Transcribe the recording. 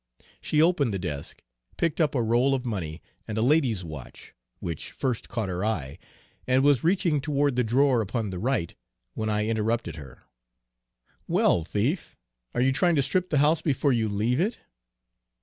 She opened the desk, picked up a roll of money and a ladies' watch, which first caught her eye, and was reaching toward the drawer upon the right, when I interrupted her: "'Well, thief, are you trying to strip the house before you leave it?'